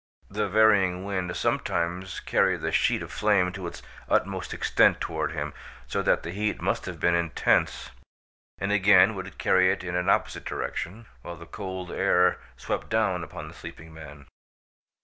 The varying wind sometimes carried the sheet of flame to its utmost extent toward him, so that the heat must have been intense, and again would carry it in an opposite direction while the cold air swept down upon the sleeping man.